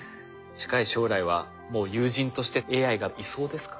近い将来はもう友人としてＡＩがいそうですか？